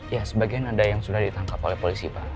ya sebagian ada yang sudah ditangkap oleh polisi pak